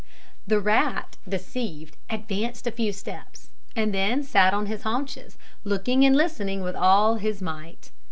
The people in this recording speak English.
The rat, deceived, advanced a few steps, and then sat on his haunches, looking and listening with all his might.